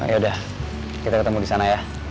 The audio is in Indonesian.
yaudah kita ketemu di sana ya